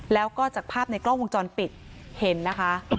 แล้วก็จากภาพในกล้องวงจรปิดเห็นนะคะ